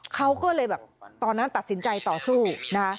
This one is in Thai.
เขาก็เลยแบบตอนนั้นตัดสินใจต่อสู้นะคะ